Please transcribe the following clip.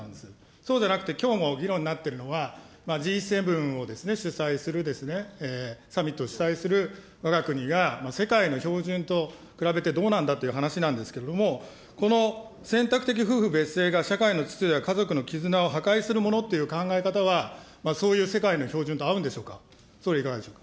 そうじゃなくて、きょうも議論になっているのは、Ｇ７を主催する、サミット主催するわが国が世界の標準と比べてどうなんだという話なんですけれども、この選択的夫婦別姓が社会の秩序や家族の絆を破壊するものっていう考え方は、そういう世界の標準と合うんでしょうか。